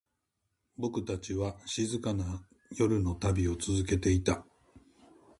僕たちは、静かな夜の旅を続けていた。